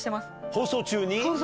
放送中に。